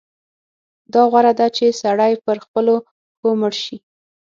دا غوره ده چې سړی پر خپلو پښو مړ شي.